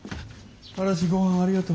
嵐ごはんありがと。